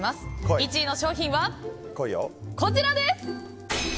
１位の商品はこちらです！